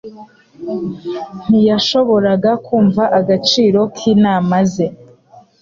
Ntiyashoboraga kumva agaciro k'inama ze.